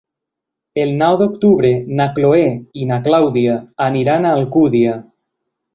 El nou d'octubre na Chloé i na Clàudia aniran a Alcúdia.